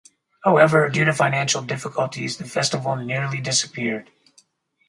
However, due to financial difficulties, the festival nearly disappeared.